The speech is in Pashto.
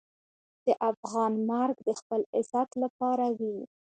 د افغان مرګ د خپل عزت لپاره وي.